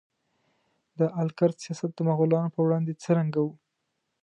د آل کرت سیاست د مغولانو په وړاندې څرنګه و؟